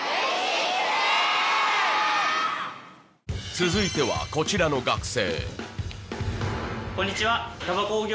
続いては、こちらの学生。